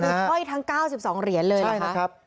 ห้อยทั้ง๙๒เหรียญเลยนะครับ